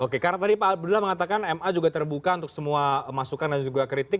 oke karena tadi pak abdullah mengatakan ma juga terbuka untuk semua masukan dan juga kritik